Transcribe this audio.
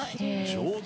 上手！